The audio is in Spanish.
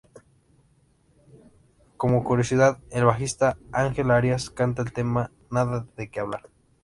Cómo curiosidad, el bajista Ángel Arias canta el tema "Nada de que Hablar".